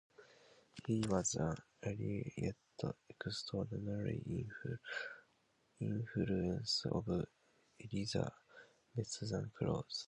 He was an early yet extraordinary influence on Elizabethan clowns.